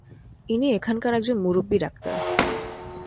ইনি এখানকার একজন মুরুব্বী ডাক্তার।